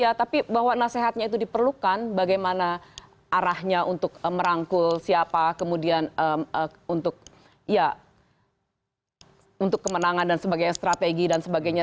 ya tapi bahwa nasihatnya itu diperlukan bagaimana arahnya untuk merangkul siapa kemudian untuk ya untuk kemenangan dan sebagainya strategi dan sebagainya